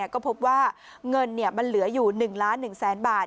ก็พบว่าเงินมันเหลืออยู่๑ล้าน๑แสนบาท